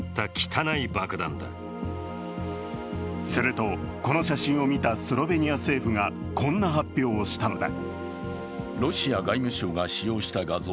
すると、この写真を見たスロベニア政府がこんな発表をしたのだ。